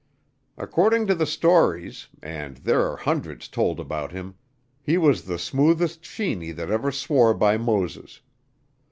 According to the stories, and there are hundreds told about him, he was the smoothest Sheeney that ever swore by Moses.